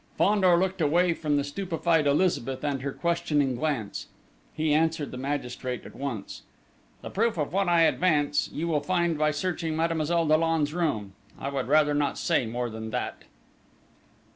Fandor looked away from the stupefied Elizabeth and her questioning glance: he answered the magistrate at once. "The proof of what I advance, you will find by searching Mademoiselle Dollon's room.... I would rather not say more than that...."